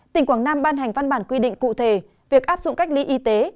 tỉnh quảng nam ban hành văn bản quy định cụ thể việc áp dụng cách ly y tế